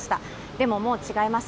でも、もう違います。